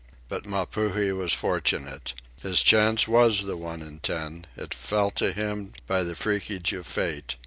But Mapuhi was fortunate. His chance was the one in ten; it fell to him by the freakage of fate.